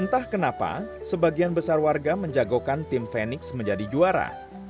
entah kenapa sebagian besar warga menjagokan tim fenix menjadi juara